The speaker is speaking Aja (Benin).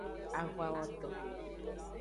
Avawoto.